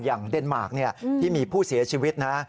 เดนมาร์คที่มีผู้เสียชีวิตนะ